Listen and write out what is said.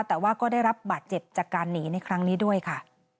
แต่ว่าก็ได้รับบาดเจ็บจากการหนีในครั้งนี้ด้วยค่ะ